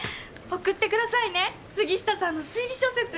送ってくださいね杉下さんの推理小説。